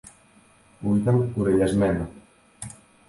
που ήταν κουρελιασμένα